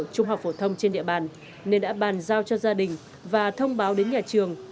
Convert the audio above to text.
trung học phổ thông trên địa bàn nên đã bàn giao cho gia đình và thông báo đến nhà trường